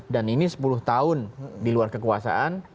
dan ini sepuluh tahun di luar kekuasaan